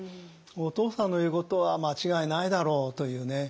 お父さんの言うことは間違いないだろうというね。